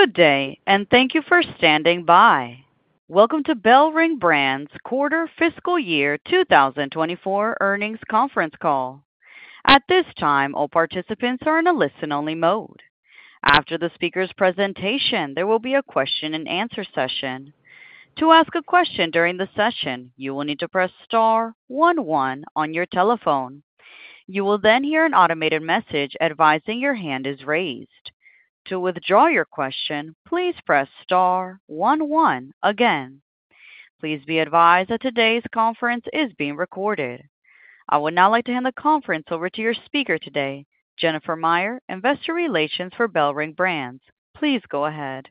Good day, and thank you for standing by. Welcome to BellRing Brands Quarter Fiscal Year 2024 Earnings Conference Call. At this time, all participants are in a listen-only mode. After the speaker's presentation, there will be a question-and-answer session. To ask a question during the session, you will need to press star one one on your telephone. You will then hear an automated message advising your hand is raised. To withdraw your question, please press star one one again. Please be advised that today's conference is being recorded. I would now like to hand the conference over to your speaker today, Jennifer Meyer, Investor Relations for BellRing Brands. Please go ahead.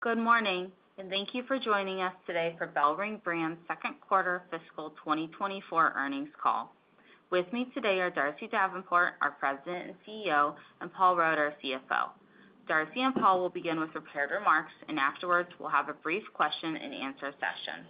Good morning, and thank you for joining us today for BellRing Brands Second Quarter Fiscal 2024 earnings call. With me today are Darcy Davenport, our President and CEO, and Paul Rode, our CFO. Darcy and Paul will begin with prepared remarks, and afterwards, we'll have a brief question-and-answer session.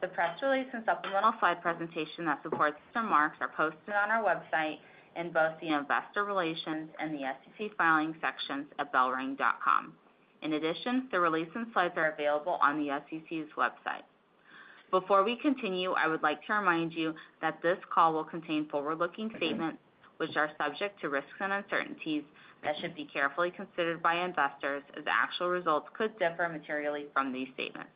The press release and supplemental slide presentation that supports the remarks are posted on our website in both the Investor Relations and the SEC Filings sections at bellring.com. In addition, the release and slides are available on the SEC's website. Before we continue, I would like to remind you that this call will contain forward-looking statements which are subject to risks and uncertainties that should be carefully considered by investors, as actual results could differ materially from these statements.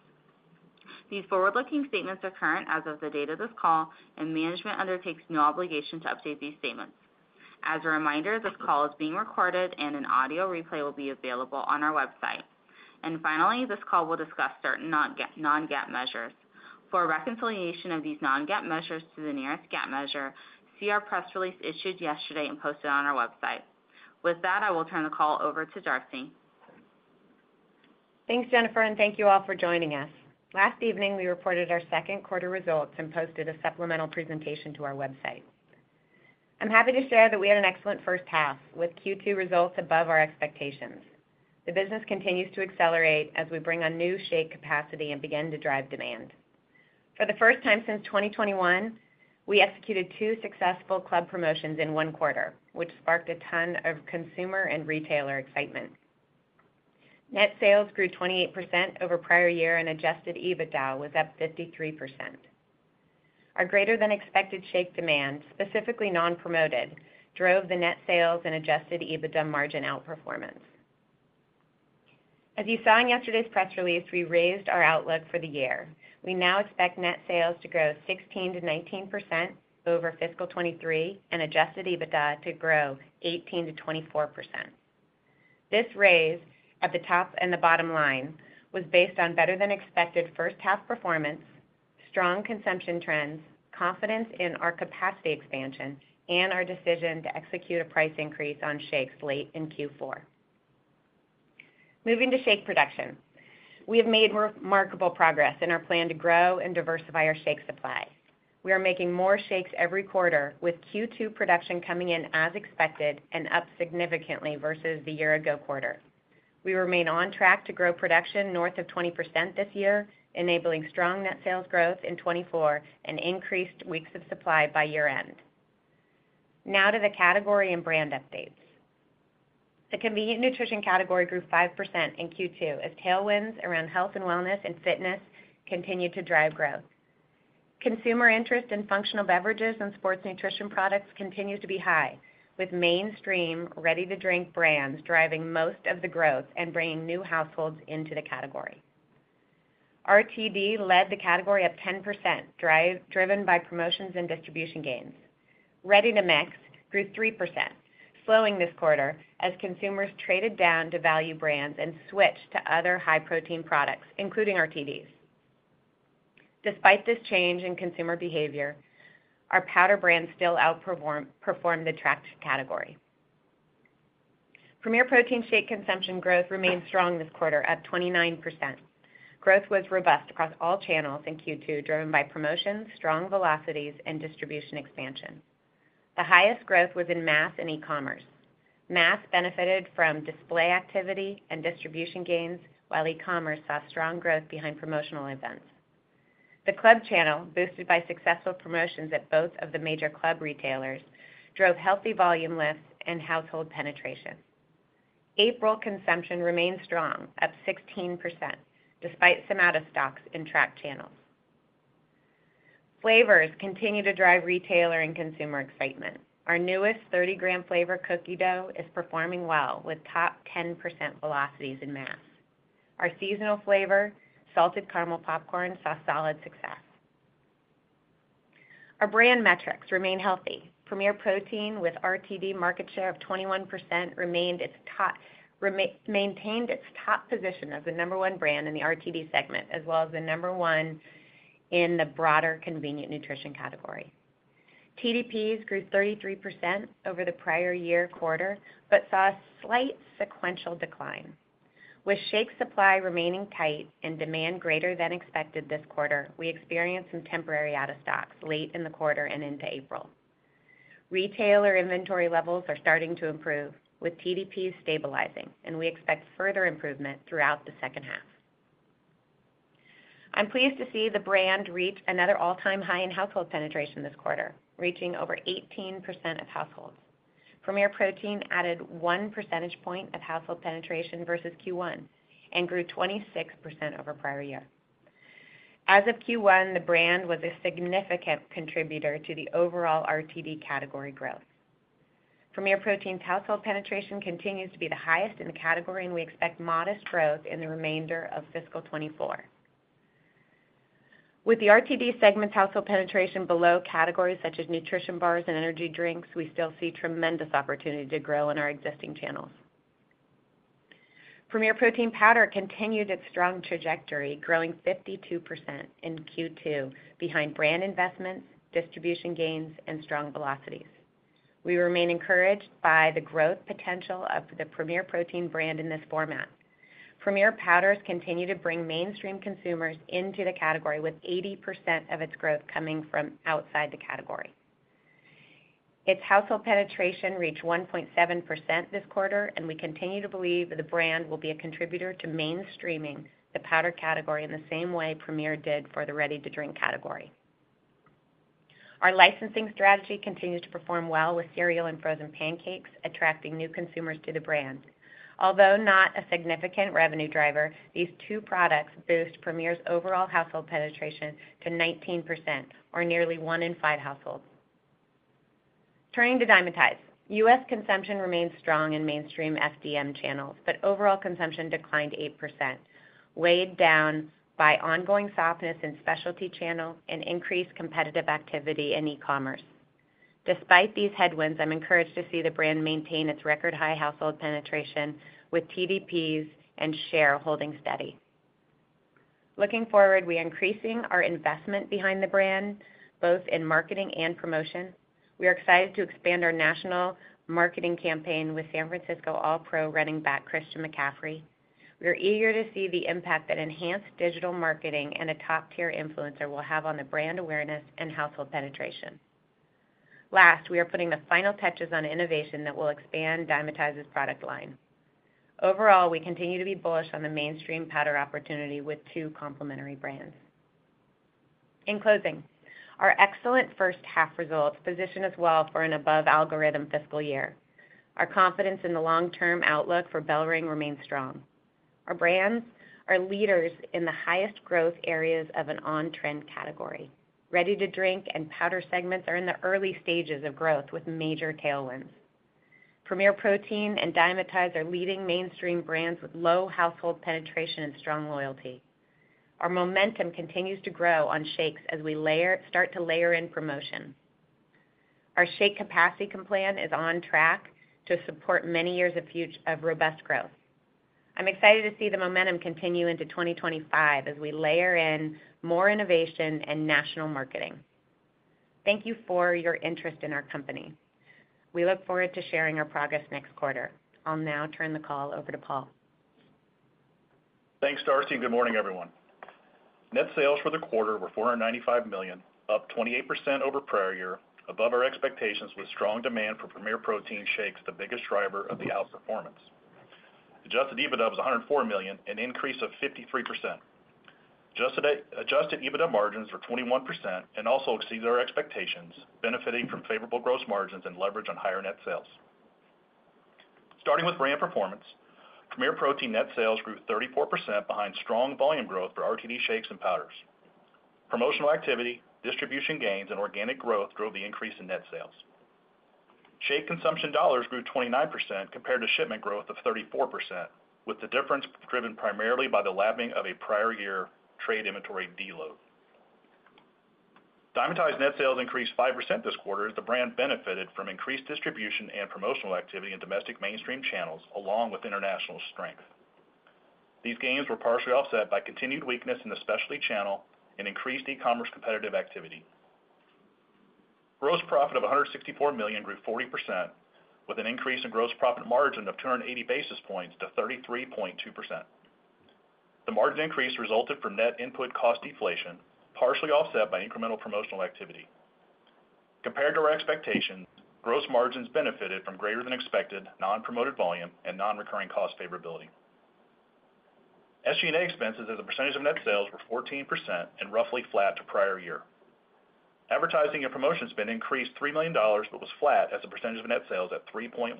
These forward-looking statements are current as of the date of this call, and management undertakes no obligation to update these statements. As a reminder, this call is being recorded and an audio replay will be available on our website. Finally, this call will discuss certain non-GAAP, measures. For a reconciliation of these non-GAAP measures to the nearest GAAP measure, see our press release issued yesterday and posted on our website. With that, I will turn the call over to Darcy. Thanks, Jennifer, and thank you all for joining us. Last evening, we reported our second quarter results and posted a supplemental presentation to our website. I'm happy to share that we had an excellent first half with Q2 results above our expectations. The business continues to accelerate as we bring on new shake capacity and begin to drive demand. For the first time since 2021, we executed two successful club promotions in one quarter, which sparked a ton of consumer and retailer excitement. Net sales grew 28% over prior year, and Adjusted EBITDA was up 53%. Our greater-than-expected shake demand, specifically non-promoted, drove the net sales and Adjusted EBITDA margin outperformance. As you saw in yesterday's press release, we raised our outlook for the year. We now expect net sales to grow 16%-19% over fiscal 2023 and Adjusted EBITDA to grow 18%-24%. This raise at the top and the bottom line was based on better-than-expected first half performance, strong consumption trends, confidence in our capacity expansion, and our decision to execute a price increase on shakes late in Q4. Moving to shake production. We have made remarkable progress in our plan to grow and diversify our shake supply. We are making more shakes every quarter, with Q2 production coming in as expected and up significantly versus the year ago quarter. We remain on track to grow production north of 20% this year, enabling strong net sales growth in 2024 and increased weeks of supply by year-end. Now to the category and brand updates. The convenient nutrition category grew 5% in Q2 as tailwinds around health and wellness and fitness continued to drive growth. Consumer interest in functional beverages and sports nutrition products continued to be high, with mainstream ready-to-drink brands driving most of the growth and bringing new households into the category. RTD led the category up 10%, driven by promotions and distribution gains. Ready-to-mix grew 3%, slowing this quarter as consumers traded down to value brands and switched to other high-protein products, including RTDs. Despite this change in consumer behavior, our powder brands still outperformed the tracked category. Premier Protein shake consumption growth remained strong this quarter at 29%. Growth was robust across all channels in Q2, driven by promotions, strong velocities, and distribution expansion. The highest growth was in mass and e-commerce. Mass benefited from display activity and distribution gains, while e-commerce saw strong growth behind promotional events. The club channel, boosted by successful promotions at both of the major club retailers, drove healthy volume lifts and household penetration. April consumption remained strong, up 16%, despite some out-of-stock in tracked channels. Flavors continue to drive retailer and consumer excitement. Our newest 30-gram flavor, Cookie Dough, is performing well, with top 10% velocities in mass. Our seasonal flavor, Salted Caramel Popcorn, saw solid success. Our brand metrics remain healthy. Premier Protein, with RTD market share of 21%, maintained its top position as the number one brand in the RTD segment, as well as the number one in the broader convenient nutrition category. TDPs grew 33% over the prior year quarter, but saw a slight sequential decline. With shake supply remaining tight and demand greater than expected this quarter, we experienced some temporary out-of-stock late in the quarter and into April. Retailer inventory levels are starting to improve, with TDPs stabilizing, and we expect further improvement throughout the second half. I'm pleased to see the brand reach another all-time high in household penetration this quarter, reaching over 18% of households. Premier Protein added one percentage point of household penetration versus Q1 and grew 26% over prior year. As of Q1, the brand was a significant contributor to the overall RTD category growth. Premier Protein's household penetration continues to be the highest in the category, and we expect modest growth in the remainder of fiscal 2024. With the RTD segment's household penetration below categories such as nutrition bars and energy drinks, we still see tremendous opportunity to grow in our existing channels. Premier Protein Powder continued its strong trajectory, growing 52% in Q2 behind brand investments, distribution gains, and strong velocities. We remain encouraged by the growth potential of the Premier Protein brand in this format. Premier Powders continue to bring mainstream consumers into the category, with 80% of its growth coming from outside the category. Its household penetration reached 1.7% this quarter, and we continue to believe that the brand will be a contributor to mainstreaming the powder category in the same way Premier did for the ready-to-drink category. Our licensing strategy continues to perform well, with cereal and frozen pancakes attracting new consumers to the brand. Although not a significant revenue driver, these two products boost Premier's overall household penetration to 19%, or nearly one in five households. Turning to Dymatize. U.S. consumption remains strong in mainstream FDM channels, but overall consumption declined 8%, weighed down by ongoing softness in specialty channels and increased competitive activity in e-commerce. Despite these headwinds, I'm encouraged to see the brand maintain its record-high household penetration, with TDPs and share holding steady. Looking forward, we are increasing our investment behind the brand, both in marketing and promotion. We are excited to expand our national marketing campaign with San Francisco All-Pro running back, Christian McCaffrey. We are eager to see the impact that enhanced digital marketing and a top-tier influencer will have on the brand awareness and household penetration. Last, we are putting the final touches on innovation that will expand Dymatize's product line. Overall, we continue to be bullish on the mainstream powder opportunity with two complementary brands. In closing, our excellent first half results position us well for an above algorithm fiscal year. Our confidence in the long-term outlook for BellRing remains strong. Our brands are leaders in the highest growth areas of an on-trend category. Ready-to-drink and powder segments are in the early stages of growth with major tailwinds. Premier Protein and Dymatize are leading mainstream brands with low household penetration and strong loyalty. Our momentum continues to grow on shakes as we layer in promotion. Our shake capacity plan is on track to support many years of robust growth. I'm excited to see the momentum continue into 2025 as we layer in more innovation and national marketing. Thank you for your interest in our company. We look forward to sharing our progress next quarter. I'll now turn the call over to Paul. Thanks, Darcy, and good morning, everyone. Net sales for the quarter were $495 million, up 28% over prior year, above our expectations, with strong demand for Premier Protein shakes, the biggest driver of the outperformance. Adjusted EBITDA was $104 million, an increase of 53%. Adjusted EBITDA margins were 21% and also exceeded our expectations, benefiting from favorable gross margins and leverage on higher net sales. Starting with brand performance, Premier Protein net sales grew 34% behind strong volume growth for RTD shakes and powders. Promotional activity, distribution gains, and organic growth drove the increase in net sales. Shake consumption dollars grew 29% compared to shipment growth of 34%, with the difference driven primarily by the lapping of a prior year trade inventory deload. Dymatize net sales increased 5% this quarter as the brand benefited from increased distribution and promotional activity in domestic mainstream channels, along with international strength. These gains were partially offset by continued weakness in the specialty channel and increased e-commerce competitive activity. Gross profit of $164 million grew 40%, with an increase in gross profit margin of 280 basis points to 33.2%. The margin increase resulted from net input cost deflation, partially offset by incremental promotional activity. Compared to our expectations, gross margins benefited from greater than expected non-promoted volume and non-recurring cost favorability. SG&A expenses as a percentage of net sales were 14% and roughly flat to prior year. Advertising and promotion spend increased $3 million, but was flat as a percentage of net sales at 3.1%.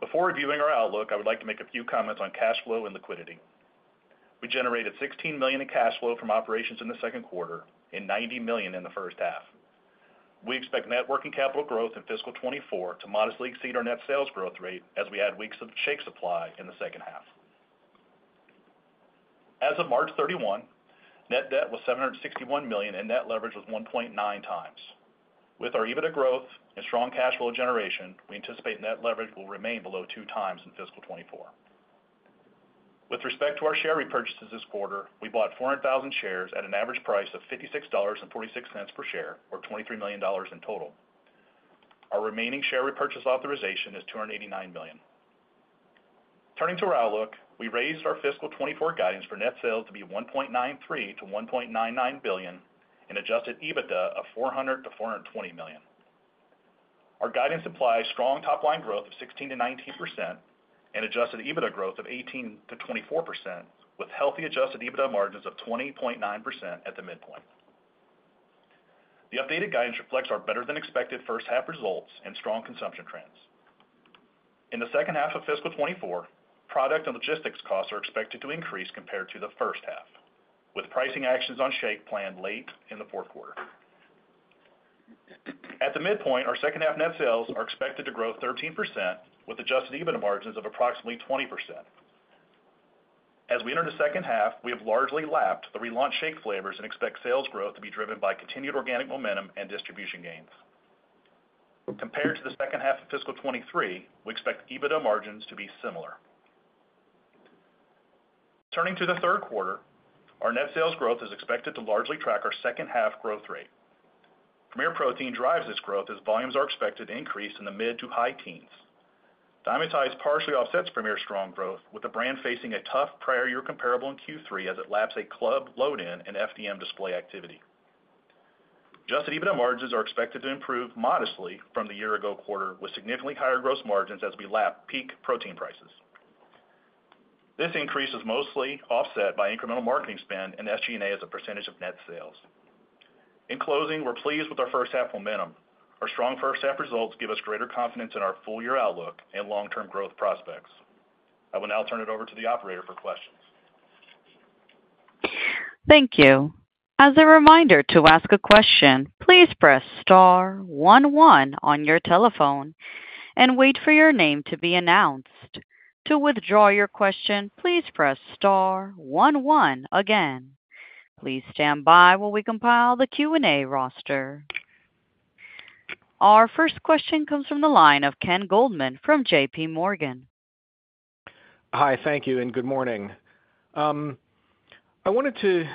Before reviewing our outlook, I would like to make a few comments on cash flow and liquidity. We generated $16 million in cash flow from operations in the second quarter and $90 million in the first half. We expect net working capital growth in fiscal 2024 to modestly exceed our net sales growth rate as we add weeks of shake supply in the second half. As of March 31, net debt was $761 million, and net leverage was 1.9 times. With our EBITDA growth and strong cash flow generation, we anticipate net leverage will remain below 2 times in fiscal 2024. With respect to our share repurchases this quarter, we bought 400,000 shares at an average price of $56.46 per share or $23 million in total. Our remaining share repurchase authorization is $289 million. Turning to our outlook, we raised our fiscal 2024 guidance for net sales to $1.93 billion-$1.99 billion and Adjusted EBITDA of $400 million-$420 million. Our guidance implies strong top line growth of 16%-19% and Adjusted EBITDA growth of 18%-24%, with healthy Adjusted EBITDA margins of 20.9% at the midpoint. The updated guidance reflects our better-than-expected first half results and strong consumption trends. In the second half of fiscal 2024, product and logistics costs are expected to increase compared to the first half, with pricing actions on shake planned late in the fourth quarter. At the midpoint, our second half net sales are expected to grow 13%, with Adjusted EBITDA margins of approximately 20%. As we enter the second half, we have largely lapped the relaunched shake flavors and expect sales growth to be driven by continued organic momentum and distribution gains. Compared to the second half of fiscal 2023, we expect EBITDA margins to be similar. Turning to the third quarter, our net sales growth is expected to largely track our second half growth rate. Premier Protein drives this growth as volumes are expected to increase in the mid- to high teens. Dymatize partially offsets Premier's strong growth, with the brand facing a tough prior-year comparable in Q3 as it laps a club load in and FDM display activity. Adjusted EBITDA margins are expected to improve modestly from the year-ago quarter, with significantly higher gross margins as we lap peak protein prices. This increase is mostly offset by incremental marketing spend and SG&A as a percentage of net sales. In closing, we're pleased with our first half momentum. Our strong first half results give us greater confidence in our full year outlook and long-term growth prospects. I will now turn it over to the operator for questions. Thank you. As a reminder to ask a question, please press star one one on your telephone and wait for your name to be announced. To withdraw your question, please press star one one again. Please stand by while we compile the Q&A roster. Our first question comes from the line of Ken Goldman from J.P. Morgan. Hi, thank you and good morning. I wanted to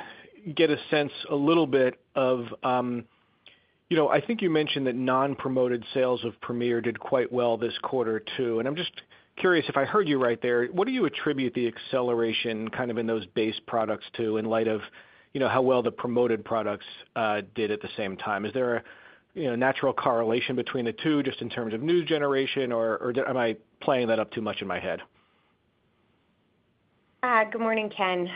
get a sense a little bit of, you know, I think you mentioned that non-promoted sales of Premier did quite well this quarter, too, and I'm just curious if I heard you right there. What do you attribute the acceleration kind of in those base products to, in light of, you know, how well the promoted products did at the same time? Is there a, you know, natural correlation between the two just in terms of new generation, or am I playing that up too much in my head? Good morning, Ken.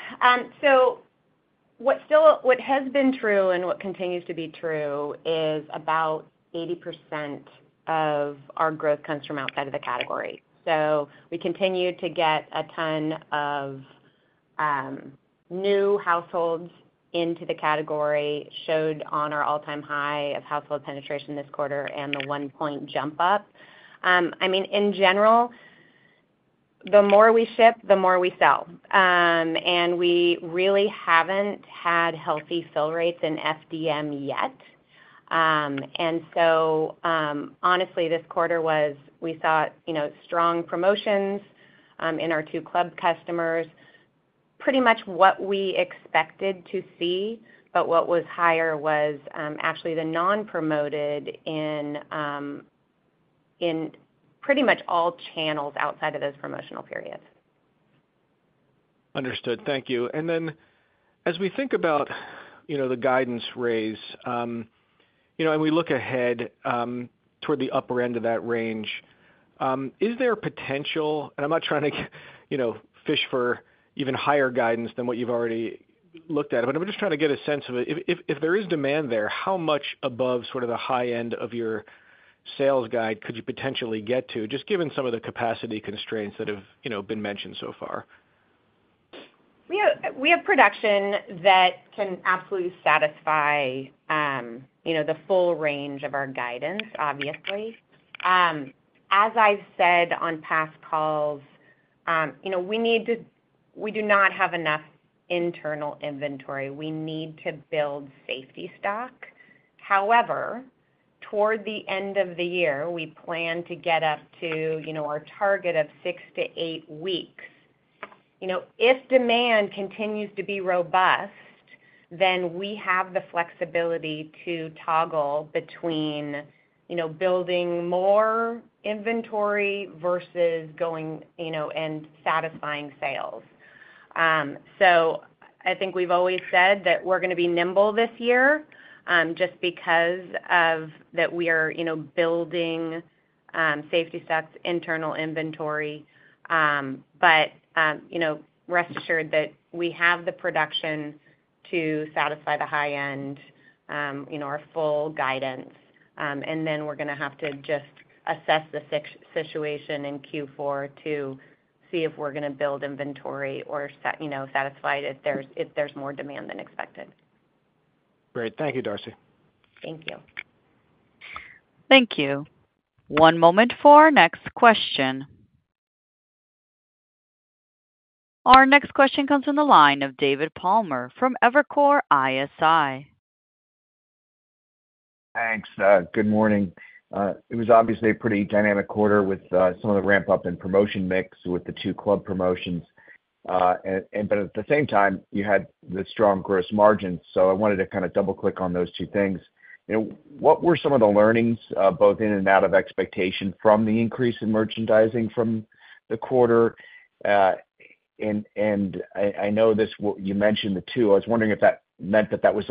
What has been true and what continues to be true is about 80% of our growth comes from outside of the category. So we continue to get a ton of new households into the category, showed on our all-time high of household penetration this quarter and the 1-point jump up. I mean, in general, the more we ship, the more we sell. And we really haven't had healthy fill rates in FDM yet. And so, honestly, this quarter we saw, you know, strong promotions in our two club customers, pretty much what we expected to see, but what was higher was actually the non-promoted in in pretty much all channels outside of those promotional periods. Understood. Thank you. And then as we think about, you know, the guidance raise, you know, and we look ahead, toward the upper end of that range, is there potential, and I'm not trying to you know, fish for even higher guidance than what you've already looked at, but I'm just trying to get a sense of it. If there is demand there, how much above sort of the high end of your sales guide could you potentially get to, just given some of the capacity constraints that have, you know, been mentioned so far? We have production that can absolutely satisfy, you know, the full range of our guidance, obviously. As I've said on past calls, you know, we do not have enough internal inventory. We need to build safety stock. However, toward the end of the year, we plan to get up to, you know, our target of six to eight weeks. You know, if demand continues to be robust, then we have the flexibility to toggle between, you know, building more inventory versus going, you know, and satisfying sales. So I think we've always said that we're going to be nimble this year, just because of that we are, you know, building safety stocks, internal inventory. But, you know, rest assured that we have the production to satisfy the high end, you know, our full guidance. And then we're gonna have to just assess the situation in Q4 to see if we're gonna build inventory or, you know, satisfy it, if there's more demand than expected. Great. Thank you, Darcy. Thank you. Thank you. One moment for our next question. Our next question comes from the line of David Palmer from Evercore ISI. Thanks. Good morning. It was obviously a pretty dynamic quarter with some of the ramp up in promotion mix with the two club promotions. But at the same time, you had the strong gross margins, so I wanted to kind of double click on those two things. You know, what were some of the learnings, both in and out of expectation from the increase in merchandising from the quarter? And I know this. You mentioned the two. I was wondering if that meant that that was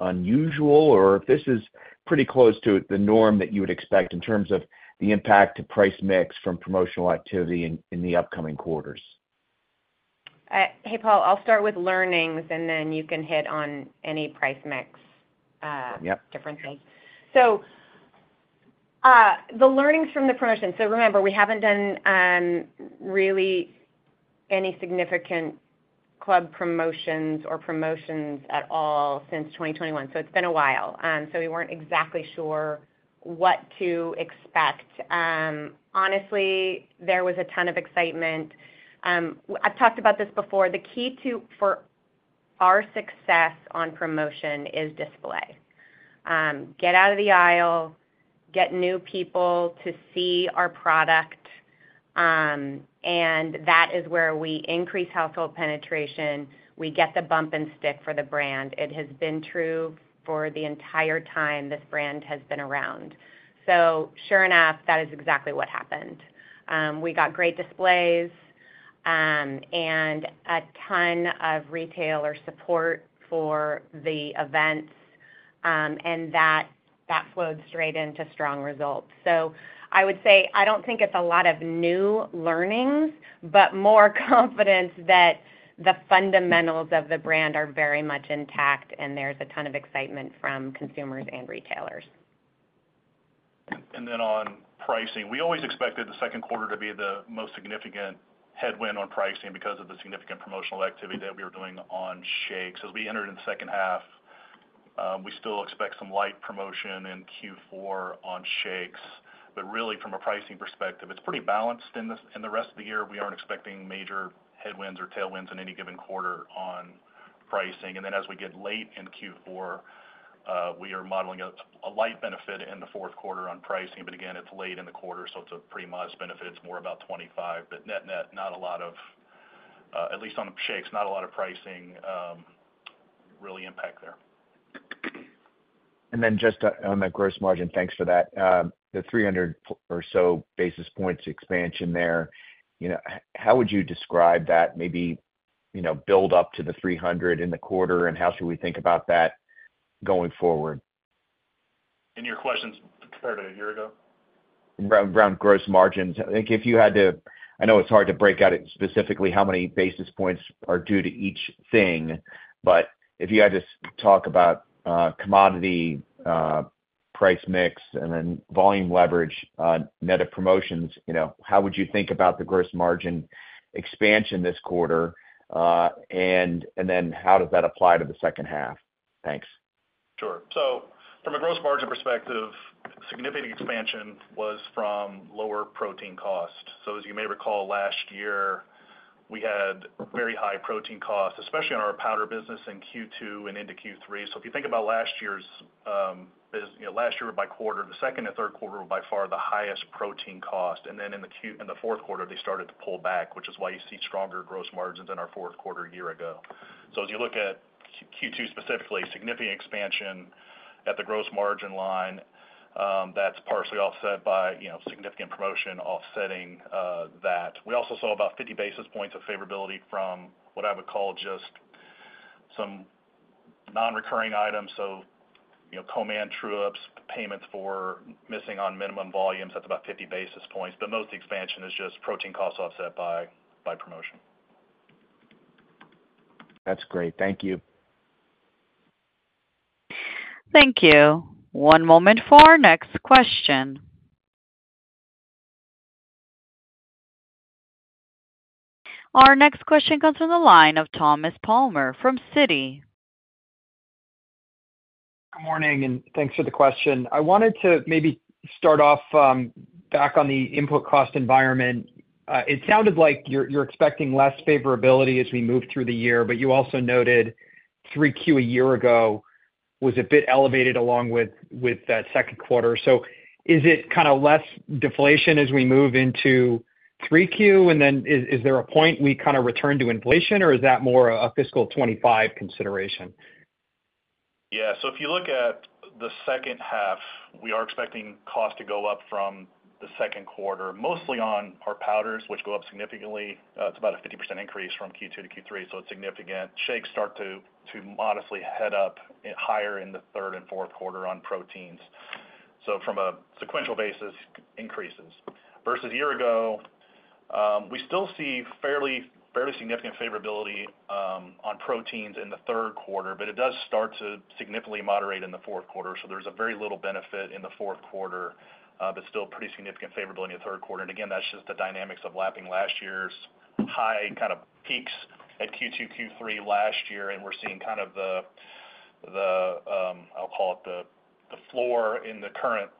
unusual, or if this is pretty close to the norm that you would expect in terms of the impact to price mix from promotional activity in the upcoming quarters? Hey, Paul, I'll start with learnings, and then you can hit on any price mix. Yep. Differences. The learnings from the promotion. Remember, we haven't done really any significant club promotions or promotions at all since 2021, so it's been a while. We weren't exactly sure what to expect. Honestly, there was a ton of excitement. I've talked about this before. The key to for our success on promotion is display. Get out of the aisle, get new people to see our product, and that is where we increase household penetration. We get the bump and stick for the brand. It has been true for the entire time this brand has been around. So sure enough, that is exactly what happened. We got great displays, and a ton of retailer support for the events, and that flowed straight into strong results. I would say I don't think it's a lot of new learnings, but more confidence that the fundamentals of the brand are very much intact, and there's a ton of excitement from consumers and retailers. And then on pricing, we always expected the second quarter to be the most significant headwind on pricing because of the significant promotional activity that we were doing on shakes. As we entered in the second half, we still expect some light promotion in Q4 on shakes, but really, from a pricing perspective, it's pretty balanced in the rest of the year. We aren't expecting major headwinds or tailwinds in any given quarter on pricing. And then as we get late in Q4, we are modeling a light benefit in the fourth quarter on pricing, but again, it's late in the quarter, so it's a pretty modest benefit. It's more about 25, but net-net, not a lot of, at least on shakes, not a lot of pricing, really impact there. Then just on the gross margin, thanks for that. The 300 or so basis points expansion there, you know, how would you describe that maybe, you know, build up to the 300 in the quarter, and how should we think about that going forward? Your question's compared to a year ago? Around gross margins. I think if you had to... I know it's hard to break out specifically how many basis points are due to each thing, but if you had to talk about commodity, price mix, and then volume leverage on net of promotions, you know, how would you think about the gross margin expansion this quarter? And then how does that apply to the second half? Thanks. Sure. So from a gross margin perspective, significant expansion was from lower protein cost. So as you may recall, last year, we had very high protein costs, especially on our powder business in Q2 and into Q3. So if you think about last year's, you know, last year by quarter, the second and third quarter were by far the highest protein cost. And then in the fourth quarter, they started to pull back, which is why you see stronger gross margins in our fourth quarter a year ago. So as you look at Q2, specifically, significant expansion at the gross margin line, that's partially offset by, you know, significant promotion offsetting, that. We also saw about 50 basis points of favorability from what I would call just some non-recurring items. So, you know, co-man true-ups, payments for missing minimum volumes, that's about 50 basis points, but most of the expansion is just protein costs offset by promotion. That's great. Thank you. Thank you. One moment for our next question. Our next question comes from the line of Thomas Palmer from Citi. Good morning, and thanks for the question. I wanted to maybe start off back on the input cost environment. It sounded like you're expecting less favorability as we move through the year, but you also noted 3Q a year ago was a bit elevated along with that second quarter. So is it kind of less deflation as we move into 3Q? And then is there a point we kind of return to inflation, or is that more a fiscal 25 consideration? Yeah. So if you look at the second half, we are expecting cost to go up from the second quarter, mostly on our powders, which go up significantly. It's about a 50% increase from Q2 to Q3, so it's significant. Shakes start to modestly head up higher in the third and fourth quarter on proteins. So from a sequential basis, increases. Versus a year ago, we still see fairly, fairly significant favorability on proteins in the third quarter, but it does start to significantly moderate in the fourth quarter. So there's a very little benefit in the fourth quarter, but still pretty significant favorability in the third quarter. And again, that's just the dynamics of lapping last year's high kind of peaks at Q2, Q3 last year, and we're seeing kind of the, I'll call it the floor in the current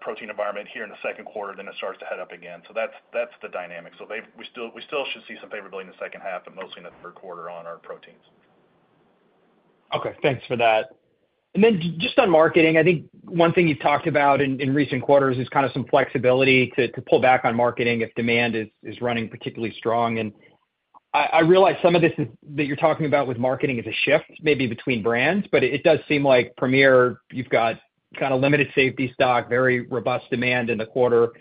protein environment here in the second quarter, then it starts to head up again. So that's, that's the dynamic. So we still, we still should see some favorability in the second half, but mostly in the third quarter on our proteins. Okay, thanks for that. And then just on marketing, I think one thing you've talked about in recent quarters is kind of some flexibility to pull back on marketing if demand is running particularly strong. And I realize some of this is that you're talking about with marketing is a shift maybe between brands, but it does seem like Premier, you've got kind of limited safety stock, very robust demand in the quarter.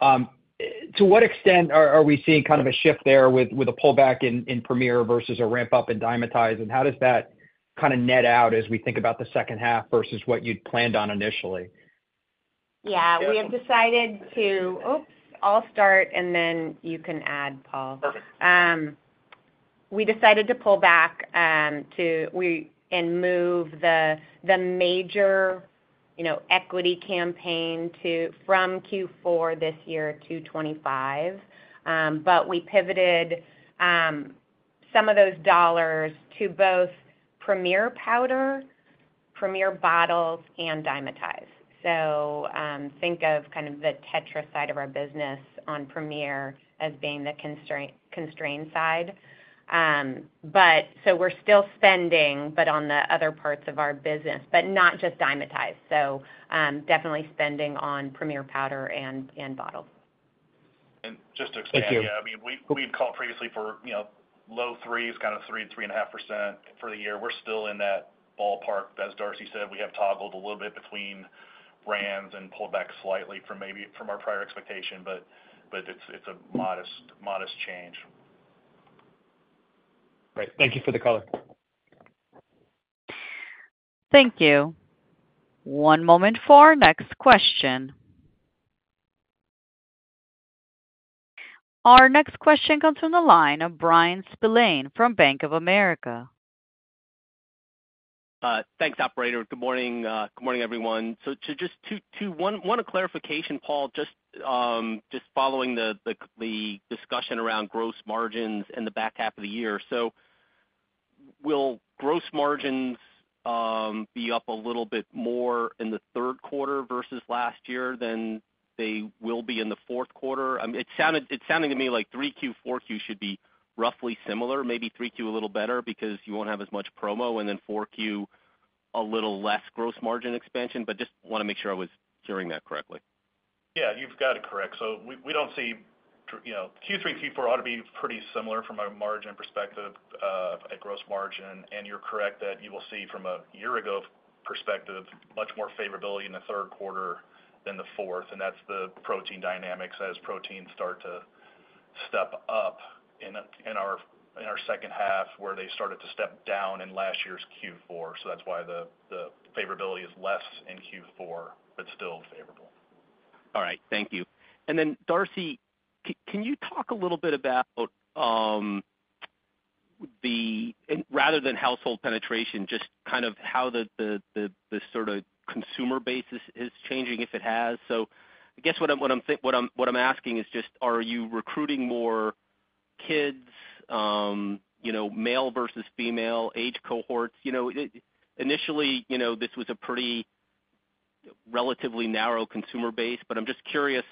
To what extent are we seeing kind of a shift there with a pullback in Premier versus a ramp-up in Dymatize? And how does that kind of net out as we think about the second half versus what you'd planned on initially? Yeah, we have decided to... Oops! I'll start, and then you can add, Paul. Perfect. We decided to pull back and move the major, you know, equity campaign from Q4 this year to 2025. But we pivoted some of those dollars to both Premier powder, Premier bottles, and Dymatize. So, think of kind of the Tetra side of our business on Premier as being the constrained side. But so we're still spending, but on the other parts of our business, but not just Dymatize. So, definitely spending on Premier powder and bottles. Thank you. Just to expand, yeah, I mean, we, we've called previously for, you know, low threes, kind of 3%-3.5% for the year. We're still in that ballpark. As Darcy said, we have toggled a little bit between brands and pulled back slightly from maybe from our prior expectation, but, but it's, it's a modest, modest change. Great. Thank you for the color. Thank you. One moment for our next question. Our next question comes from the line of Bryan Spillane from Bank of America. Thanks, operator. Good morning. Good morning, everyone. So just one clarification, Paul, just following the discussion around gross margins in the back half of the year. So will gross margins be up a little bit more in the third quarter versus last year than they will be in the fourth quarter? It sounded. It's sounding to me like 3Q, 4Q should be roughly similar, maybe 3Q a little better because you won't have as much promo, and then 4Q, a little less gross margin expansion. But just wanna make sure I was hearing that correctly. Yeah, you've got it correct. So we, we don't see, you know, Q3, Q4 ought to be pretty similar from a margin perspective, at gross margin. And you're correct that you will see from a year ago perspective, much more favorability in the third quarter than the fourth, and that's the protein dynamics as proteins start to step up in our, in our second half, where they started to step down in last year's Q4. So that's why the, the favorability is less in Q4, but still favorable. All right, thank you. And then, Darcy, can you talk a little bit about rather than household penetration, just kind of how the sort of consumer base is changing, if it has. So I guess what I'm, what I'm saying—what I'm, what I'm asking is just, are you recruiting more kids, you know, male versus female, age cohorts? You know, initially, you know, this was a pretty relatively narrow consumer base, but I'm just curious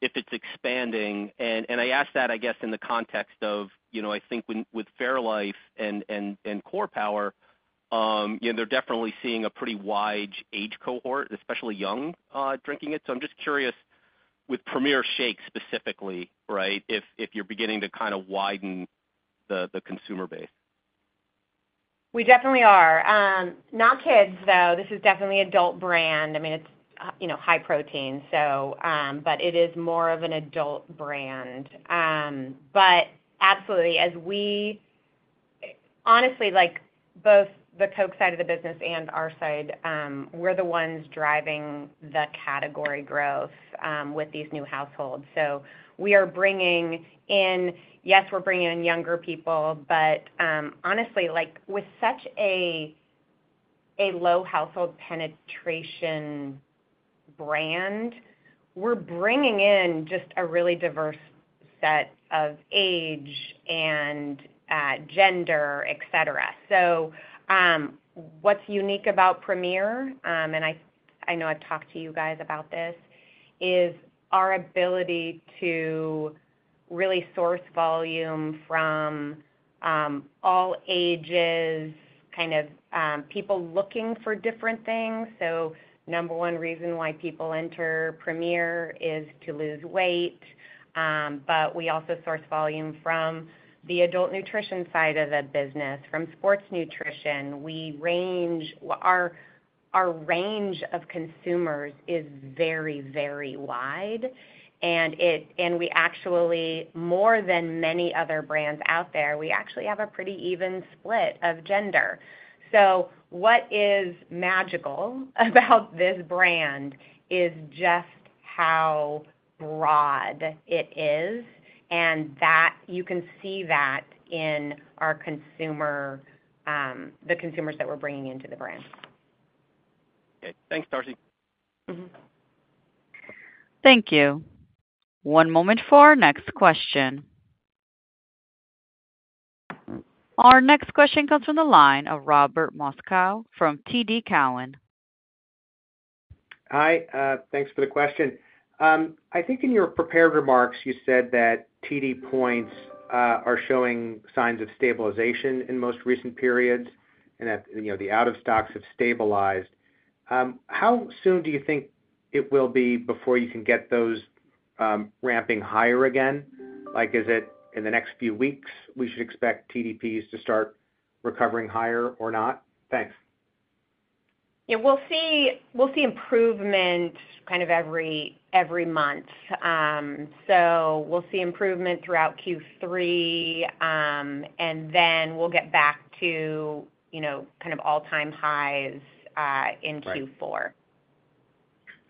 if it's expanding. And I ask that, I guess, in the context of, you know, I think with Fairlife and Core Power, you know, they're definitely seeing a pretty wide age cohort, especially young drinking it. So I'm just curious with Premier Shake specifically, right, if you're beginning to kind of widen the consumer base. We definitely are. Not kids, though. This is definitely adult brand. I mean, it's, you know, high protein, so, but it is more of an adult brand. But absolutely, as we... Honestly, like, both the Coke side of the business and our side, we're the ones driving the category growth, with these new households. So we are bringing in... Yes, we're bringing in younger people, but, honestly, like, with such a low household penetration brand, we're bringing in just a really diverse set of age and, gender, et cetera. So, what's unique about Premier, and I know I've talked to you guys about this, is our ability to really source volume from, all ages, kind of, people looking for different things. So number one reason why people enter Premier is to lose weight, but we also source volume from the adult nutrition side of the business, from sports nutrition. Our range of consumers is very, very wide, and we actually, more than many other brands out there, we actually have a pretty even split of gender. So what is magical about this brand is just how broad it is, and that you can see that in our consumer, the consumers that we're bringing into the brand. Okay. Thanks, Darcy. Mm-hmm. Thank you. One moment for our next question. Our next question comes from the line of Robert Moskow from TD Cowen. Hi, thanks for the question. I think in your prepared remarks, you said that TD points are showing signs of stabilization in most recent periods and that, you know, the out-of-stock have stabilized. How soon do you think it will be before you can get those ramping higher again? Like, is it in the next few weeks, we should expect TDPs to start recovering higher or not? Thanks. Yeah, we'll see, we'll see improvement kind of every, every month. So we'll see improvement throughout Q3, and then we'll get back to, you know, kind of all-time highs, in Q4. Right.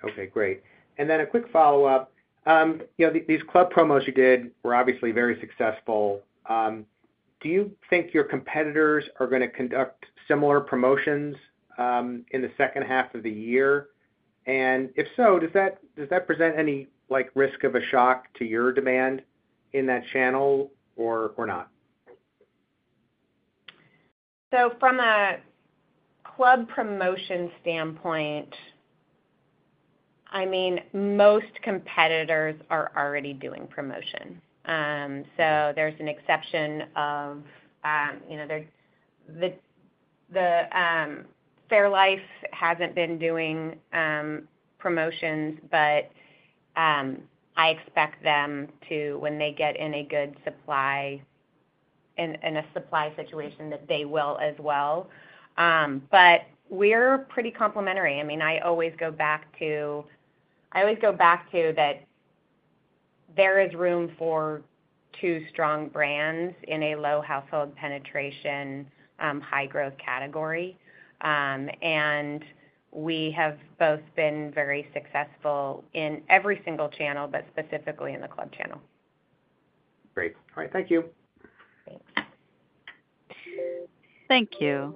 Okay, great. And then a quick follow-up. You know, these club promos you did were obviously very successful. Do you think your competitors are gonna conduct similar promotions, in the second half of the year? And if so, does that, does that present any, like, risk of a shock to your demand in that channel or, or not? So from a club promotion standpoint, I mean, most competitors are already doing promotion. So there's an exception of, you know, the Fairlife hasn't been doing promotions, but I expect them to, when they get in a good supply and a supply situation, that they will as well. But we're pretty complementary. I mean, I always go back to, I always go back to that there is room for two strong brands in a low household penetration, high growth category. And we have both been very successful in every single channel, but specifically in the club channel. Great. All right, thank you. Thank you.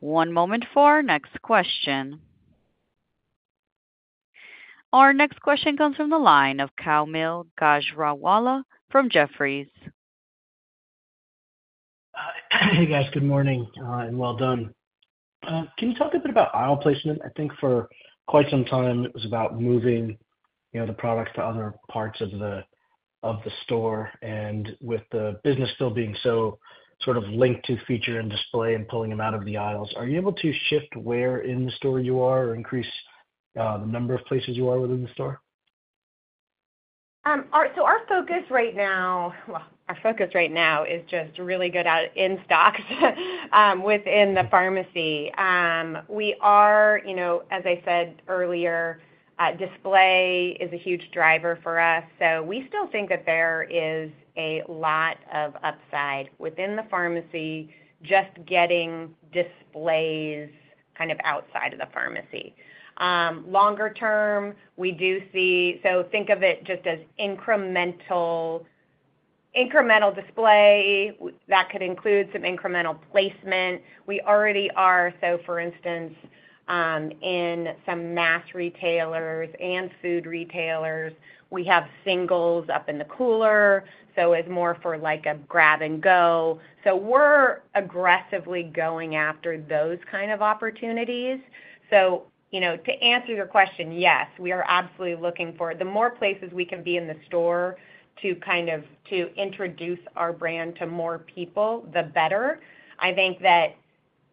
One moment for our next question. Our next question comes from the line of Kaumil Gajrawala from Jefferies. Hey, guys, good morning, and well done. Can you talk a bit about aisle placement? I think for quite some time, it was about moving, you know, the products to other parts of the store. And with the business still being so sort of linked to feature and display and pulling them out of the aisles, are you able to shift where in the store you are or increase the number of places you are within the store? So our focus right now is just really good in-stock within the pharmacy. We are, you know, as I said earlier, display is a huge driver for us, so we still think that there is a lot of upside within the pharmacy, just getting displays kind of outside of the pharmacy. Longer term, we do see. So think of it just as incremental display that could include some incremental placement. We already are, so for instance, in some mass retailers and food retailers, we have singles up in the cooler, so it's more for like a grab and go. So we're aggressively going after those kind of opportunities. So, you know, to answer your question, yes, we are absolutely looking for, the more places we can be in the store to kind of, to introduce our brand to more people, the better. I think that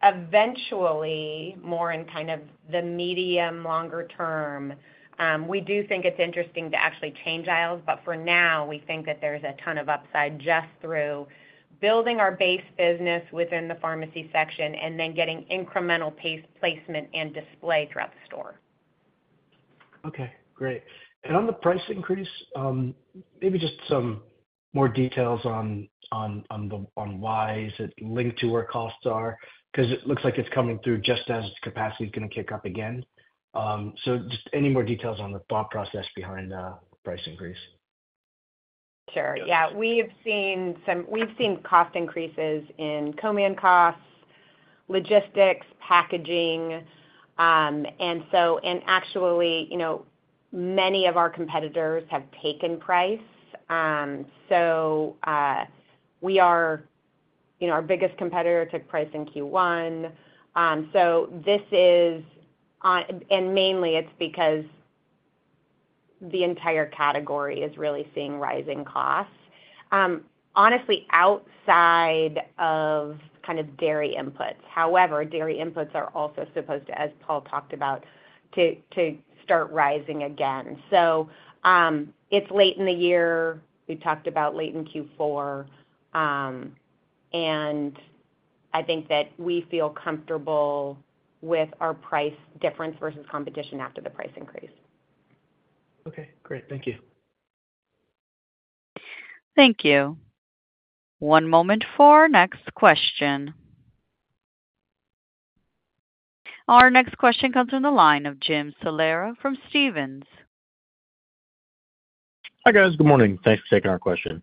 eventually, more in kind of the medium, longer term, we do think it's interesting to actually change aisles, but for now, we think that there's a ton of upside just through building our base business within the pharmacy section and then getting incremental space, placement and display throughout the store. Okay, great. And on the price increase, maybe just some more details on why. Is it linked to where costs are? Because it looks like it's coming through just as capacity is gonna kick up again. So just any more details on the thought process behind the price increase? Sure. Yeah, we've seen cost increases in Co-man costs, logistics, packaging, and so, and actually, you know, many of our competitors have taken price. So, we are, you know, our biggest competitor took price in Q1. So this is on... And mainly it's because the entire category is really seeing rising costs, honestly, outside of kind of dairy inputs. However, dairy inputs are also supposed to, as Paul talked about, to start rising again. So, it's late in the year, we've talked about late in Q4, and I think that we feel comfortable with our price difference versus competition after the price increase. Okay, great. Thank you. Thank you. One moment for our next question. Our next question comes from the line of Jim Salera from Stephens. Hi, guys. Good morning. Thanks for taking our question.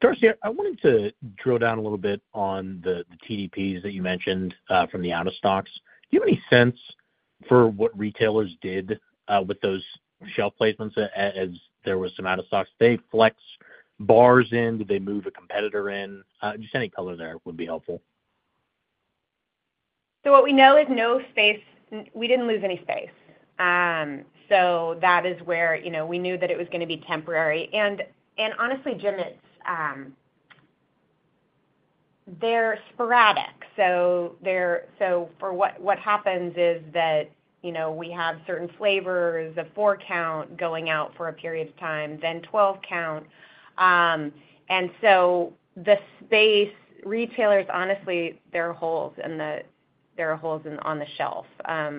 Darcy, I wanted to drill down a little bit on the TDPs that you mentioned from the out-of-stocks. Do you have any sense for what retailers did with those shelf placements as there was some out-of-stocks? Did they flex bars in? Did they move a competitor in? Just any color there would be helpful. So what we know is no space. We didn't lose any space. So that is where, you know, we knew that it was gonna be temporary. And honestly, Jim, they're sporadic. So what happens is that, you know, we have certain flavors, a 4-count going out for a period of time, then 12-count. And so the space, retailers, honestly, there are holes on the shelf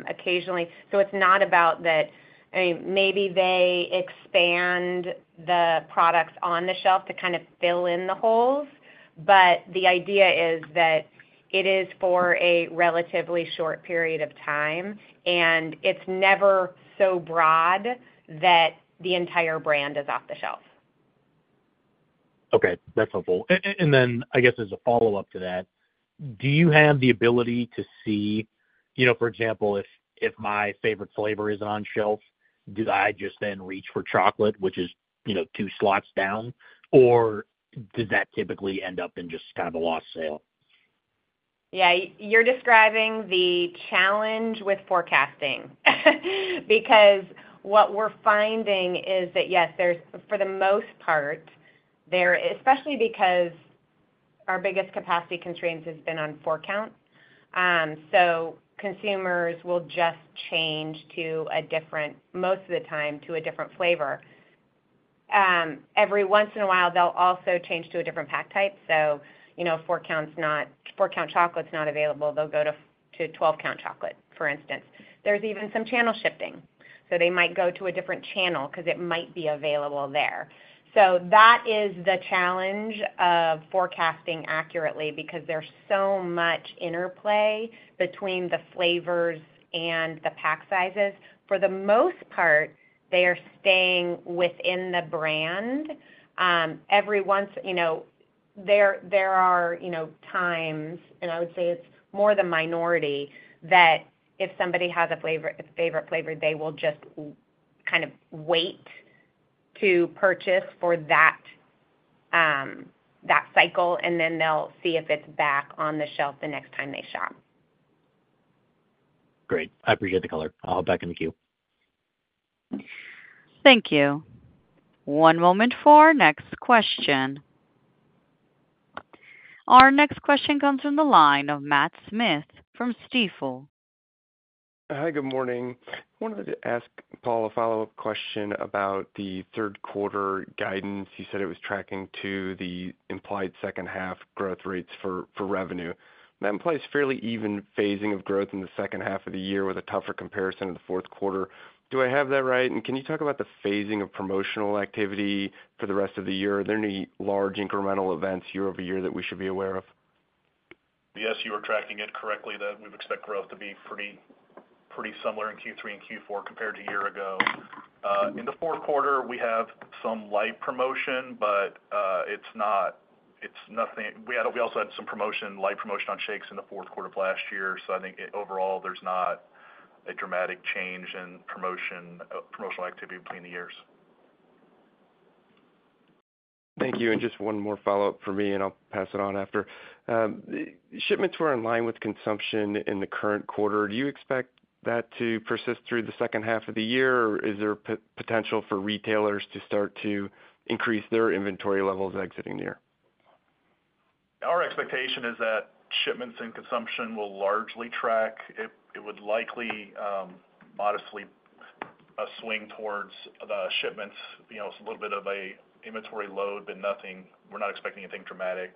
occasionally. So it's not about that. I mean, maybe they expand the products on the shelf to kind of fill in the holes, but the idea is that it is for a relatively short period of time, and it's never so broad that the entire brand is off the shelf. Okay, that's helpful. And then I guess as a follow-up to that, do you have the ability to see, you know, for example, if my favorite flavor isn't on shelf, do I just then reach for chocolate, which is, you know, two slots down? Or does that typically end up in just kind of a lost sale? Yeah, you're describing the challenge with forecasting. Because what we're finding is that, yes, there's, for the most part, especially because our biggest capacity constraints has been on 4-counts. So consumers will just change to a different, most of the time, to a different flavor. Every once in a while, they'll also change to a different pack type. So, you know, if 4-count's not- 4-count chocolate's not available, they'll go to, to 12-count chocolate, for instance. There's even some channel shifting, so they might go to a different channel because it might be available there. So that is the challenge of forecasting accurately, because there's so much interplay between the flavors and the pack sizes. For the most part, they are staying within the brand. Every once, you know, there are, you know, times, and I would say it's more the minority, that if somebody has a favorite flavor, they will just kind of wait to purchase for that cycle, and then they'll see if it's back on the shelf the next time they shop. Great, I appreciate the color. I'll hop back in the queue. Thank you. One moment for our next question. Our next question comes from the line of Matt Smith from Stifel. Hi, good morning. I wanted to ask Paul a follow-up question about the third quarter guidance. You said it was tracking to the implied second half growth rates for revenue. That implies fairly even phasing of growth in the second half of the year with a tougher comparison in the fourth quarter. Do I have that right? And can you talk about the phasing of promotional activity for the rest of the year? Are there any large incremental events year over year that we should be aware of? Yes, you are tracking it correctly that we expect growth to be pretty, pretty similar in Q3 and Q4 compared to year ago. In the fourth quarter, we have some light promotion, but it's not... It's nothing... we also had some promotion, light promotion on shakes in the fourth quarter of last year, so I think overall, there's not a dramatic change in promotion, promotional activity between the years. Thank you. And just one more follow-up for me, and I'll pass it on after. Shipments were in line with consumption in the current quarter. Do you expect that to persist through the second half of the year, or is there potential for retailers to start to increase their inventory levels exiting the year? Our expectation is that shipments and consumption will largely track. It would likely modestly swing towards the shipments. You know, it's a little bit of a inventory load, but nothing. We're not expecting anything dramatic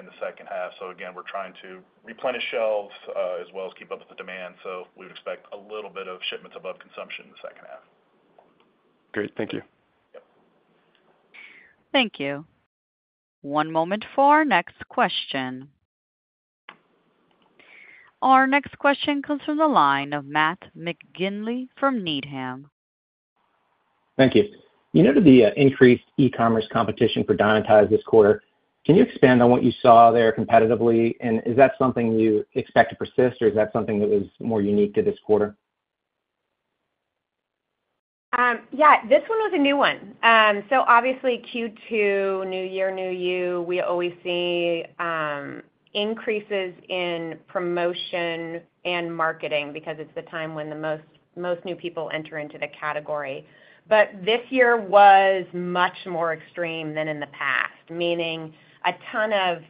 in the second half. So again, we're trying to replenish shelves as well as keep up with the demand. So we would expect a little bit of shipments above consumption in the second half. Great. Thank you. Yep. Thank you. One moment for our next question. Our next question comes from the line of Matt McGinley from Needham. Thank you. You noted the increased e-commerce competition for Dymatize this quarter. Can you expand on what you saw there competitively, and is that something you expect to persist, or is that something that was more unique to this quarter? Yeah, this one was a new one. So obviously, Q2, new year, new you, we always see, increases in promotion and marketing because it's the time when the most, most new people enter into the category. But this year was much more extreme than in the past, meaning a ton of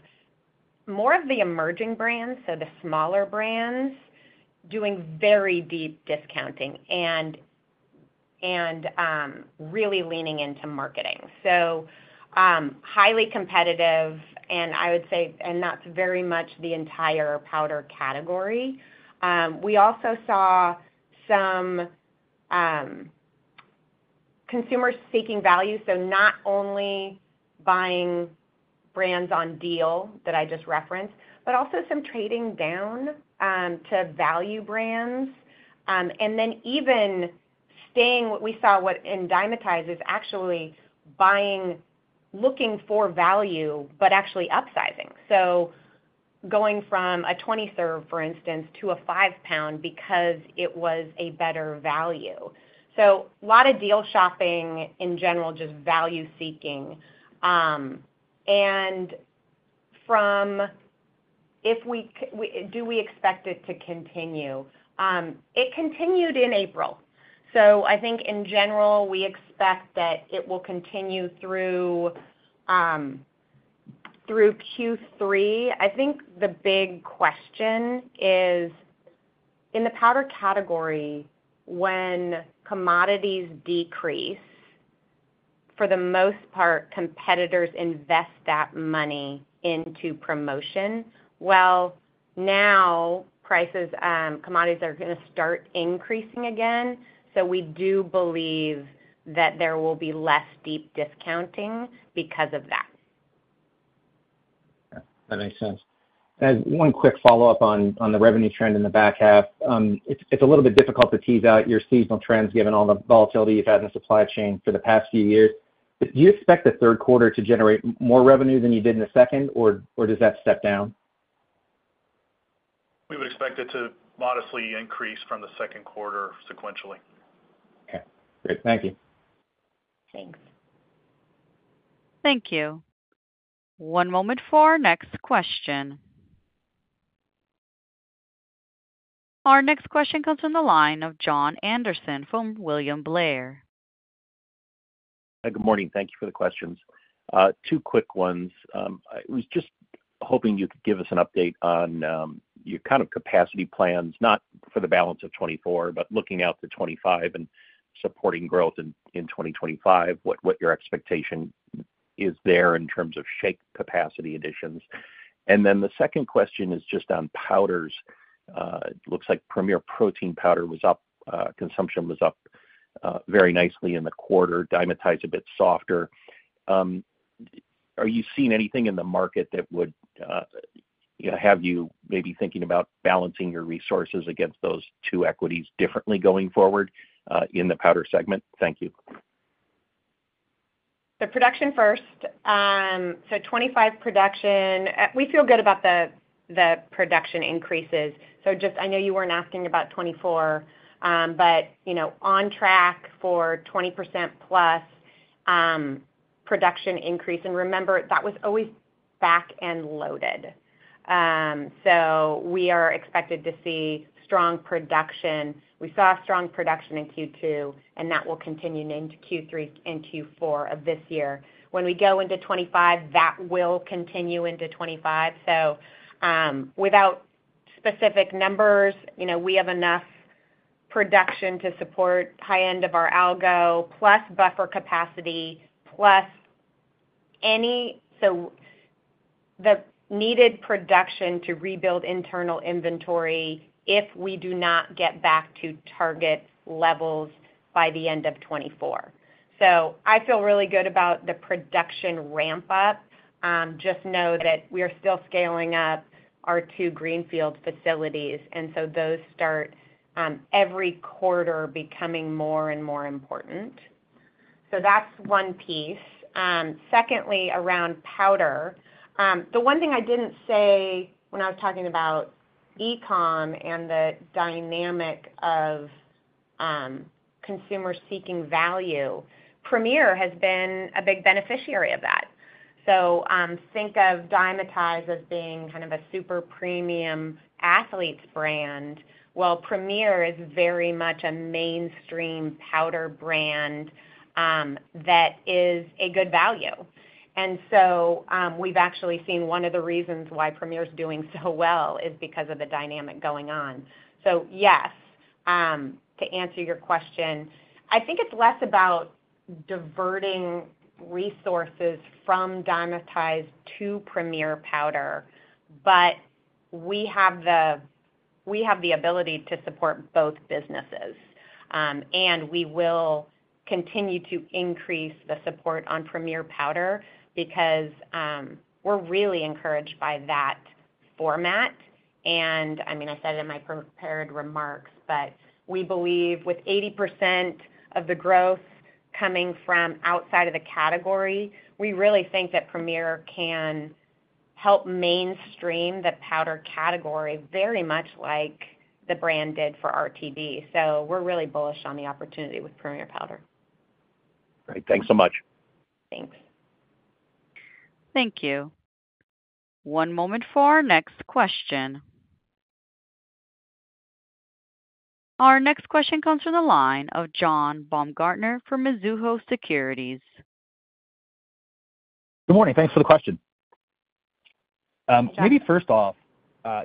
more of the emerging brands, so the smaller brands, doing very deep discounting and really leaning into marketing. So, highly competitive, and I would say, and that's very much the entire powder category. We also saw some, consumers seeking value, so not only buying brands on deal that I just referenced, but also some trading down, to value brands. And then even staying what we saw, what in Dymatize is actually buying, looking for value, but actually upsizing. So going from a 20-serve, for instance, to a 5-pound because it was a better value. So a lot of deal shopping in general, just value seeking. And do we expect it to continue? It continued in April, so I think in general, we expect that it will continue through Q3. I think the big question is, in the powder category, when commodities decrease, for the most part, competitors invest that money into promotion. Well, now, prices, commodities are gonna start increasing again, so we do believe that there will be less deep discounting because of that. That makes sense. As one quick follow-up on the revenue trend in the back half, it's a little bit difficult to tease out your seasonal trends, given all the volatility you've had in the supply chain for the past few years. Do you expect the third quarter to generate more revenue than you did in the second, or does that step down? We would expect it to modestly increase from the second quarter sequentially. Okay, great. Thank you. Thanks. Thank you. One moment for our next question. Our next question comes from the line of John Anderson from William Blair. Good morning. Thank you for the questions. Two quick ones. I was just hoping you could give us an update on your kind of capacity plans, not for the balance of 2024, but looking out to 2025 and supporting growth in 2025, what your expectation is there in terms of shake, capacity, additions. And then the second question is just on powders. It looks like Premier Protein Powder was up, consumption was up very nicely in the quarter, Dymatize a bit softer. Are you seeing anything in the market that would, you know, have you maybe thinking about balancing your resources against those two equities differently going forward in the powder segment? Thank you. So production first. So 2025 production, we feel good about the production increases. So just, I know you weren't asking about 2024, but, you know, on track for 20%+ production increase. And remember, that was always back and loaded. So we are expected to see strong production. We saw a strong production in Q2, and that will continue into Q3 and Q4 of this year. When we go into 2025, that will continue into 2025. So, without specific numbers, you know, we have enough production to support high end of our algo plus buffer capacity, plus any. So the needed production to rebuild internal inventory if we do not get back to target levels by the end of 2024. So I feel really good about the production ramp up. Just know that we are still scaling up our two greenfield facilities, and so those start every quarter becoming more and more important. So that's one piece. Secondly, around powder. The one thing I didn't say when I was talking about e-com and the dynamic of consumer seeking value, Premier has been a big beneficiary of that. So, think of Dymatize as being kind of a super premium athlete brand, while Premier is very much a mainstream powder brand, that is a good value. And so, we've actually seen one of the reasons why Premier is doing so well is because of the dynamic going on. So yes, to answer your question, I think it's less about diverting resources from Dymatize to Premier Powder, but we have the ability to support both businesses. And we will continue to increase the support on Premier Powder because we're really encouraged by that format. I mean, I said it in my prepared remarks, but we believe with 80% of the growth coming from outside of the category, we really think that Premier can help mainstream the powder category, very much like the brand did for RTD. We're really bullish on the opportunity with Premier Powder. Great. Thanks so much. Thanks. Thank you. One moment for our next question. Our next question comes from the line of John Baumgartner from Mizuho Securities. Good morning. Thanks for the question. John- Maybe first off,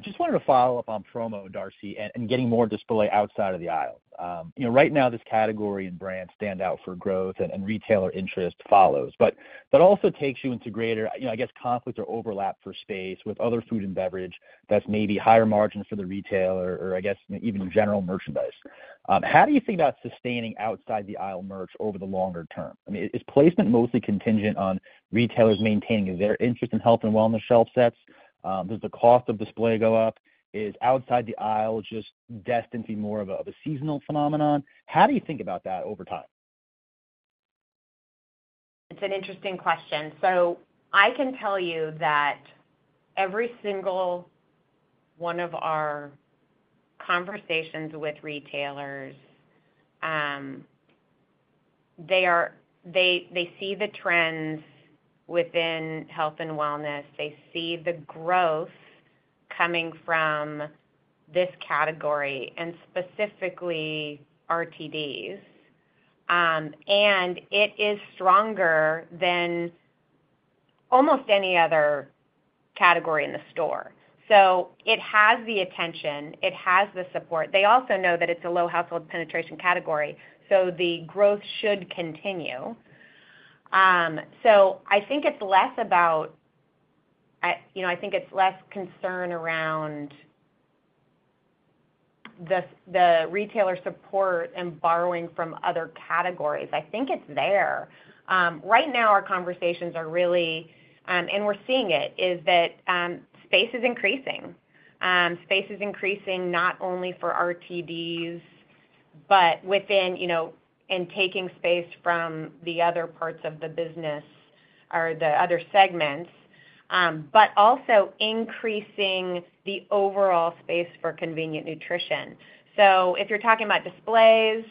just wanted to follow up on promo, Darcy, and getting more display outside of the aisle. You know, right now, this category and brand stand out for growth and retailer interest follows, but also takes you into greater, you know, I guess, conflict or overlap for space with other food and beverage that's maybe higher margins for the retailer or I guess, even general merchandise. How do you think about sustaining outside the aisle merch over the longer term? I mean, is placement mostly contingent on retailers maintaining their interest in health and wellness shelf sets? Does the cost of display go up? Is outside the aisle just destined to be more of a seasonal phenomenon? How do you think about that over time? It's an interesting question. So I can tell you that every single one of our conversations with retailers, they see the trends within health and wellness. They see the growth coming from this category and specifically RTDs, and it is stronger than almost any other category in the store. So it has the attention, it has the support. They also know that it's a low household penetration category, so the growth should continue. So I think it's less about, you know, I think it's less concern around the retailer support and borrowing from other categories. I think it's there. Right now, our conversations are really, and we're seeing it, is that space is increasing. Space is increasing not only for RTDs, but within, you know, in taking space from the other parts of the business or the other segments, but also increasing the overall space for convenient nutrition. So if you're talking about displays,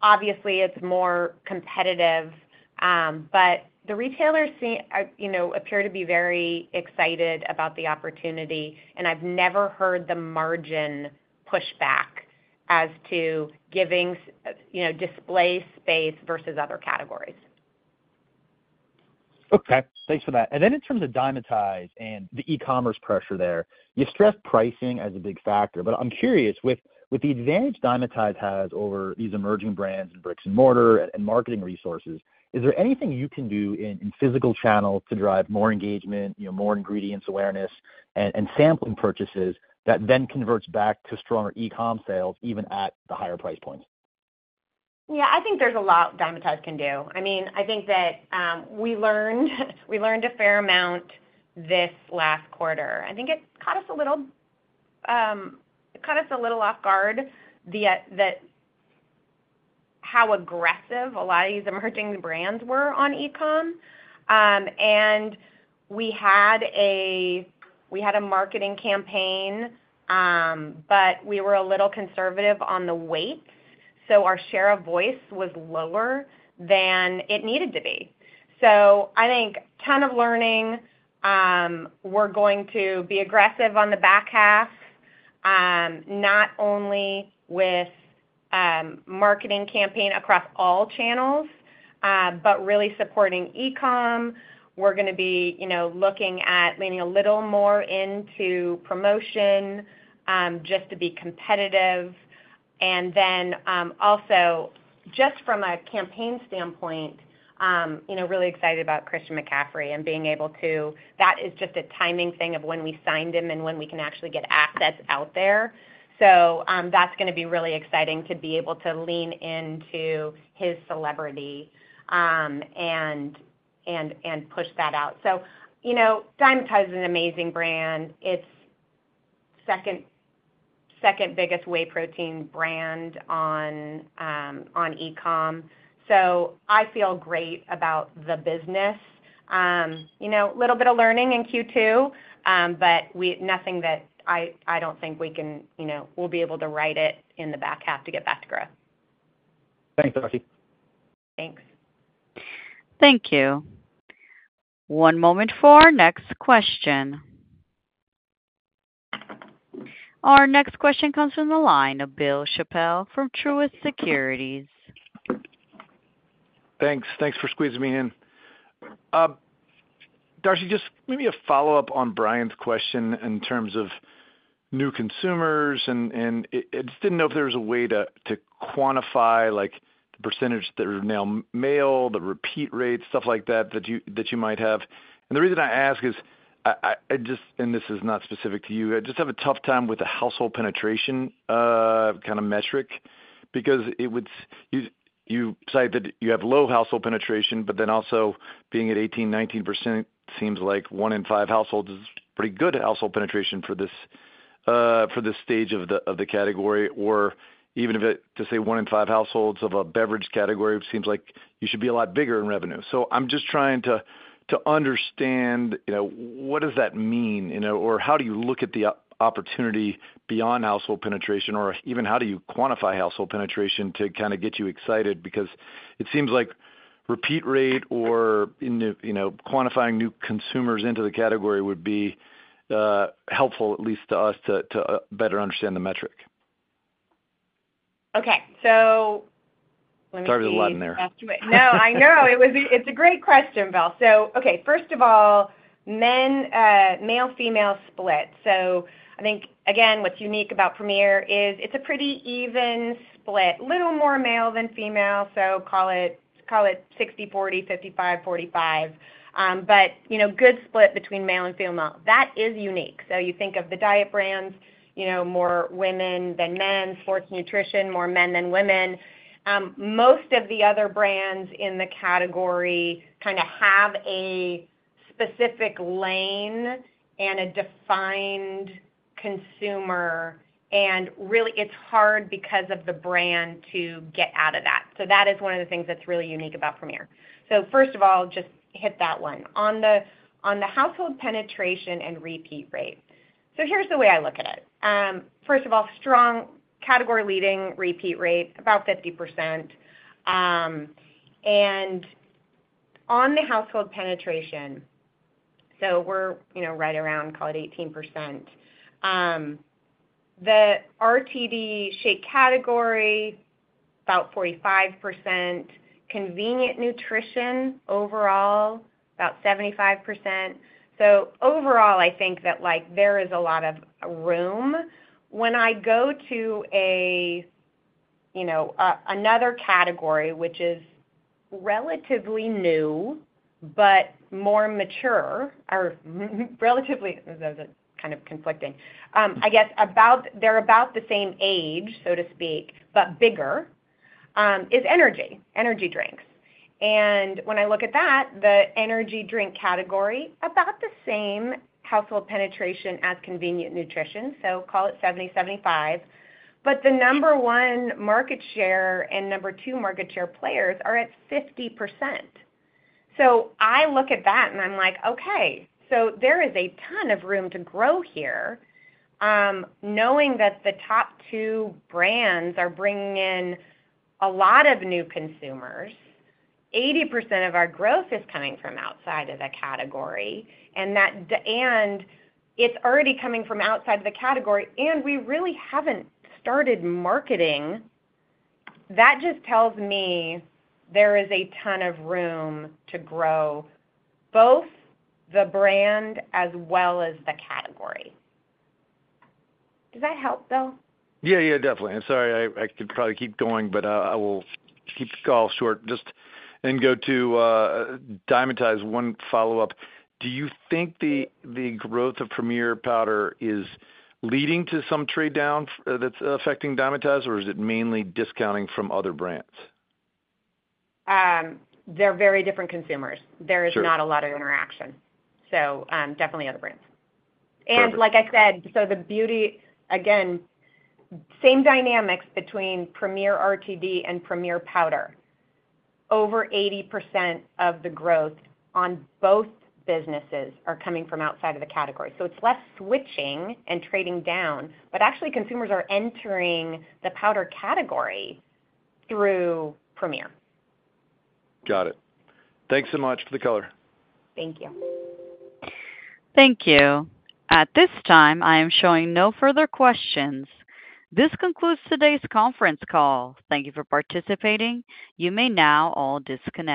obviously, it's more competitive, but the retailers seem, you know, appear to be very excited about the opportunity, and I've never heard the margin push back as to giving you know, display space versus other categories. Okay, thanks for that. And then in terms of Dymatize and the e-commerce pressure there, you stress pricing as a big factor. But I'm curious, with the advantage Dymatize has over these emerging brands in bricks and mortar and marketing resources, is there anything you can do in physical channels to drive more engagement, you know, more ingredients, awareness, and sampling purchases that then converts back to stronger e-com sales, even at the higher price points? Yeah, I think there's a lot Dymatize can do. I mean, I think that we learned a fair amount this last quarter. I think it caught us a little off guard, that how aggressive a lot of these emerging brands were on e-com. And we had a marketing campaign, but we were a little conservative on the weights, so our share of voice was lower than it needed to be. So I think a ton of learning. We're going to be aggressive on the back half, not only with a marketing campaign across all channels, but really supporting e-com. We're gonna be, you know, looking at leaning a little more into promotion, just to be competitive. And then, also, just from a campaign standpoint, you know, really excited about Christian McCaffrey and being able to... That is just a timing thing of when we signed him and when we can actually get assets out there. So, that's gonna be really exciting to be able to lean into his celebrity, and push that out. So, you know, Dymatize is an amazing brand. It's second biggest whey protein brand on e-com, so I feel great about the business. You know, little bit of learning in Q2, but nothing that I don't think we can, you know, we'll be able to right it in the back half to get back to growth. Thanks, Darcy. Thanks. Thank you. One moment for our next question. Our next question comes from the line of Bill Chappell from Truist Securities. Thanks. Thanks for squeezing me in. Darcy, just maybe a follow-up on Bryan's question in terms of new consumers, and I just didn't know if there was a way to quantify, like, the percentage that are now male, the repeat rates, stuff like that, that you might have. The reason I ask is I just... This is not specific to you. I just have a tough time with the household penetration kind of metric, because you cited that you have low household penetration, but then also being at 18%-19% seems like one in five households is pretty good household penetration for this stage of the category. Or even if it, to say one in five households of a beverage category, seems like you should be a lot bigger in revenue. So I'm just trying to understand, you know, what does that mean, you know, or how do you look at the opportunity beyond household penetration, or even how do you quantify household penetration to kind of get you excited? Because it seems like repeat rate or in the, you know, quantifying new consumers into the category would be helpful, at least to us, to better understand the metric. Okay. So let me see- Sorry there's a lot in there. No, I know. It's a great question, Bill. So, okay, first of all, men, male/female split. So I think, again, what's unique about Premier is it's a pretty even split, little more male than female, so call it, call it 60/40, 55/45. But, you know, good split between male and female. That is unique. So you think of the diet brands, you know, more women than men, sports nutrition, more men than women. Most of the other brands in the category kind of have a specific lane and a defined consumer, and really, it's hard because of the brand to get out of that. So that is one of the things that's really unique about Premier. So first of all, just hit that one. On the, on the household penetration and repeat rate. So here's the way I look at it. First of all, strong category leading repeat rate, about 50%, and on the household penetration, so we're, you know, right around, call it 18%. The RTD shake category, about 45%, convenient nutrition overall, about 75%. So overall, I think that, like, there is a lot of room. When I go to a, you know, another category, which is relatively new, but more mature or relatively, kind of conflicting. I guess they're about the same age, so to speak, but bigger, is energy drinks. And when I look at that, the energy drink category, about the same household penetration as convenient nutrition, so call it 70, 75. But the number one market share and number two market share players are at 50%. So I look at that, and I'm like, okay, so there is a ton of room to grow here. Knowing that the top two brands are bringing in a lot of new consumers, 80% of our growth is coming from outside of the category, and that—and it's already coming from outside of the category, and we really haven't started marketing. That just tells me there is a ton of room to grow, both the brand as well as the category. Does that help, Bill? Yeah, yeah, definitely. I'm sorry, I could probably keep going, but I will keep the call short just... and go to Dymatize one follow-up. Do you think the growth of Premier Powder is leading to some trade-downs that's affecting Dymatize, or is it mainly discounting from other brands? They're very different consumers. Sure. There is not a lot of interaction, so, definitely other brands. Like I said, so the beauty, again, same dynamics between Premier RTD and Premier Powder. Over 80% of the growth on both businesses are coming from outside of the category. So it's less switching and trading down, but actually consumers are entering the powder category through Premier. Got it. Thanks so much for the color. Thank you. Thank you. At this time, I am showing no further questions. This concludes today's conference call. Thank you for participating. You may now all disconnect.